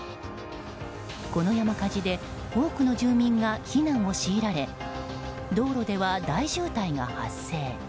この山火事で多くの住民が避難を強いられ道路では大渋滞が発生。